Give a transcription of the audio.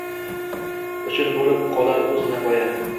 Uchun bo’lib qolar u zinapoya.